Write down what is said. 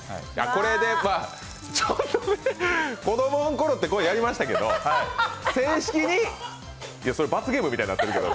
これで子供のころってやりましたけど正式にそれ罰ゲームみたいになってるけど。